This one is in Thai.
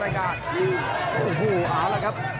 ต้องการสวัสดีค่ะ